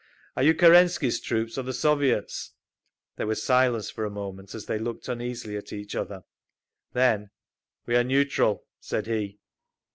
"Are you Kerensky's troops, or the Soviets'?" There was silence for a moment, as they looked uneasily at each other. Then, "We are neutral," said he.